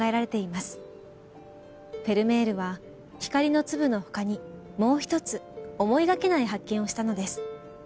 フェルメールは光の粒の他にもうひとつ思いがけない発見をしたのです。